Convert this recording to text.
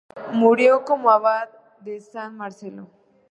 Murió como abad de San Marcelo.